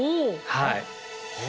はい。